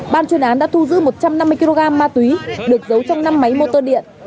ban chuyên án đã thu giữ một trăm năm mươi kg ma túy được giấu trong năm máy mô tô điện